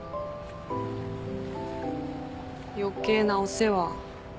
余計なお世話。